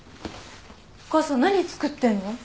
お母さん何作ってるの？